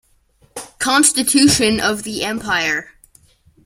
Constitution of the empire.